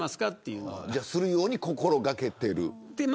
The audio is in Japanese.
そうするように心掛けている。